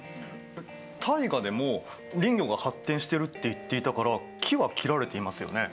タイガでも林業が発展してるって言っていたから木は切られていますよね？